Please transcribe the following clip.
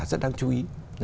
rất đáng chú ý